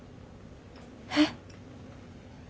えっ。